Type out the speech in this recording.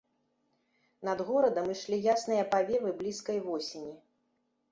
Над горадам ішлі ясныя павевы блізкай восені.